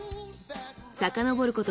さかのぼること